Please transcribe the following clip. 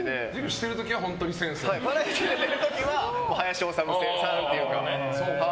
バラエティーに出てる時は林修さんっていう感じの。